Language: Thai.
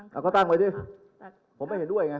เขาก็ตั้งไว้ดิผมไม่เห็นด้วยไง